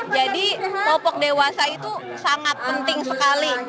jadi popok dewasa itu sangat penting sekali